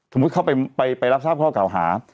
สมมุติเขาไปรับทราบข้อกล่าวหา